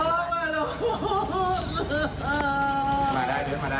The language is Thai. บำ